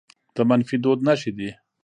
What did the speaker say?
د منفي دود نښې دي